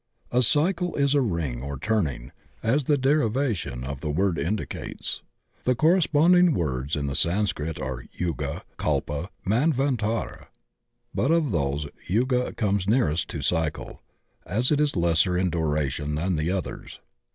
A cycle is a ring or turning, as the derivation of the word indicates. The corresponding words in the San scrit are Yuga, Kalpa, Manvantara, but of these yuga comes nearest to cycle, as it is lesser in duration than the others.